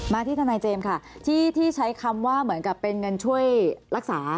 ที่ทนายเจมส์ค่ะที่ใช้คำว่าเหมือนกับเป็นเงินช่วยรักษา